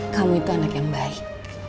kamu itu anak yang baik